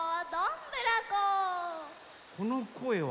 このこえは？